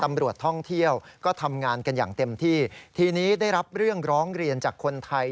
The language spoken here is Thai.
ตำรวจท่องเที่ยวก็ทำงานกันอย่างเต็มที่ทีนี้ได้รับเรื่องร้องเรียนจากคนไทย